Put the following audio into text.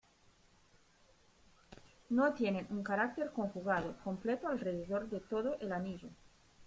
No tienen un carácter conjugado completo alrededor de todo el anillo.